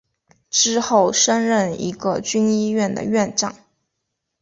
之后升任一个军医院的院长。